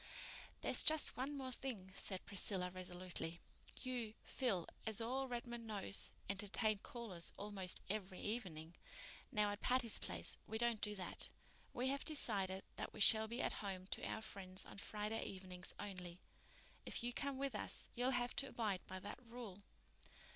"There's just one more thing," said Priscilla resolutely. "You, Phil, as all Redmond knows, entertain callers almost every evening. Now, at Patty's Place we can't do that. We have decided that we shall be at home to our friends on Friday evenings only. If you come with us you'll have to abide by that rule."